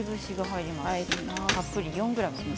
たっぷり４ｇ。